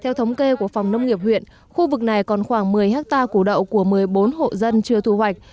theo thống kê của phòng nông nghiệp huyện khu vực này còn khoảng một mươi hectare củ đậu của một mươi bốn hộ dân chưa thu hoạch